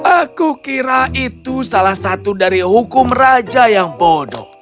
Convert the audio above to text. aku kira itu salah satu dari hukum raja yang bodoh